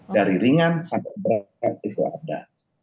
dari ringan sampai berat itu ada